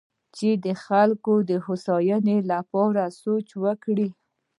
چې د خلکو د هوساینې لپاره سوچ وکړي.